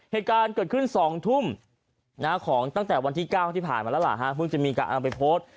เหตุการณ์เกิดขึ้น๒ทุ่มของตั้งแต่วันที่๙ที่ผ่านมาแล้วล่ะเพิ่งจะมีการเอาไปโพสต์